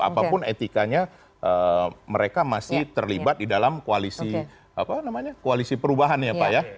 apapun etikanya mereka masih terlibat di dalam koalisi perubahan ya pak ya